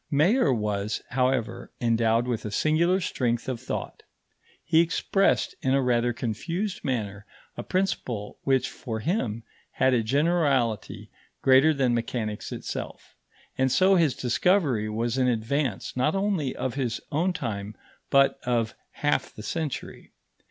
Mayer was, however, endowed with a singular strength of thought; he expressed in a rather confused manner a principle which, for him, had a generality greater than mechanics itself, and so his discovery was in advance not only of his own time but of half the century.